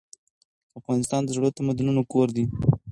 افغانستان د زړو تمدنونو کور دی.